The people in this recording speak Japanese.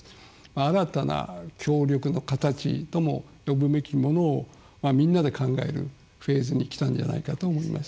新たな協力の形とも呼ぶべきものをみんなで考えるフェーズにきたんじゃないかと思います。